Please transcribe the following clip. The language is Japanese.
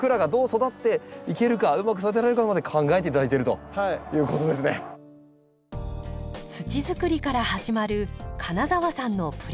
土づくりから始まる金澤さんのプリムラ栽培。